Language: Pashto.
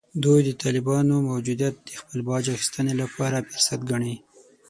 دوی د طالبانو موجودیت د خپل باج اخیستنې لپاره فرصت ګڼي